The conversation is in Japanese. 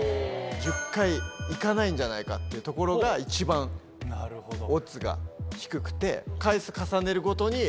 １０回いかないんじゃないかってところが一番オッズが低くて。